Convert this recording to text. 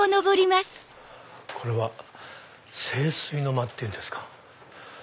これは静水の間っていうんですか。